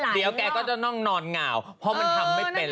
เดี๋ยวแกก็จะนั่งนอนเหงานั่นก็จริงสบายแบบนแบบนี้